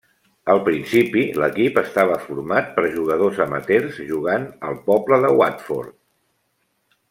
Al principi l'equip estava format per jugadors amateurs, jugant al poble de Watford.